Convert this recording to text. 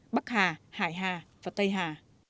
bắc hà hải hà và tây hà